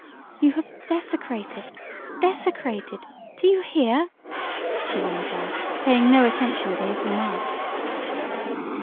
"You have desecrated desecrated! Do you hear?" she went on, paying no attention to his remark.